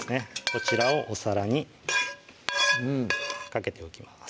こちらをお皿にうんかけておきます